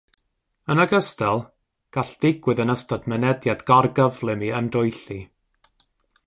Yn ogystal, gall ddigwydd yn ystod mynediad gor-gyflym i ymdroelli.